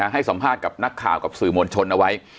ให้สัมภาษณ์กับนักข่าวกับสื่อมวลชนเอาไว้